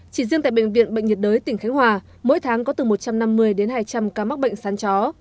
chỉ riêng tại bệnh viện bệnh nhiệt đới tỉnh khánh hòa mỗi tháng có từ một trăm năm mươi đến hai trăm linh ca mắc bệnh sán chó